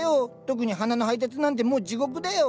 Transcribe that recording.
特に花の配達なんてもう地獄だよ。